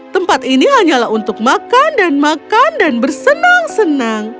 tempat ini hanyalah untuk makan dan makan dan bersenang senang